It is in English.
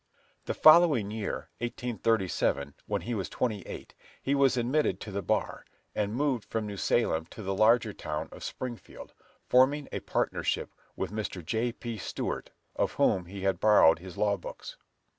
The following year, 1837, when he was twenty eight, he was admitted to the bar, and moved from New Salem to the larger town of Springfield, forming a partnership with Mr. J. P. Stuart of whom he had borrowed his law books.